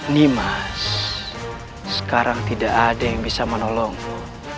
nih mas sekarang tidak ada yang bisa menolongmu